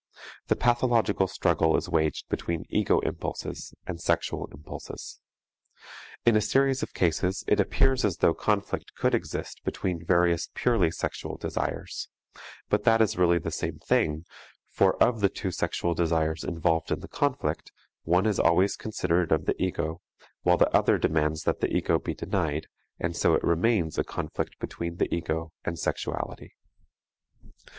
The pathological struggle is waged between ego impulses and sexual impulses. In a series of cases it appears as though conflict could exist between various purely sexual desires; but that is really the same thing, for of the two sexual desires involved in the conflict, one is always considerate of the ego, while the other demands that the ego be denied, and so it remains a conflict between the ego and sexuality.